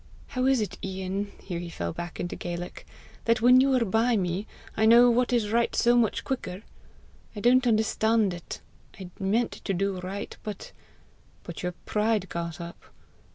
How is it, Ian," here he fell back into Gaelic "that when you are by me, I know what is right so much quicker? I don't understand it. I meant to do right, but " "But your pride got up.